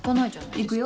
行くよ。